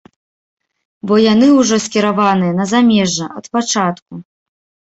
Бо яны ужо скіраваныя на замежжа, ад пачатку.